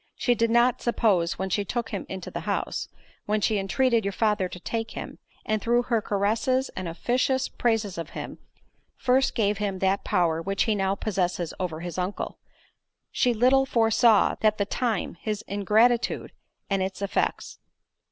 —She did not suppose when she took him into the house; when she intreated your father to take him; and through her caresses and officious praises of him, first gave him that power which he now possesses over his uncle; she little foresaw, at that time, his ingratitude, and its effects."